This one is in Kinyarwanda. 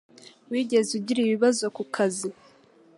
Wigeze ugira ibibazo ku kazi?